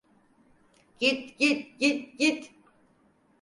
Git, git, git, git!